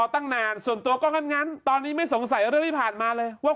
ตั้งนานส่วนตัวก็งั้นตอนนี้ไม่สงสัยเรื่องที่ผ่านมาเลยว่า